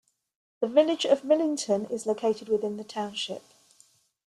The Village of Millington is located within the township.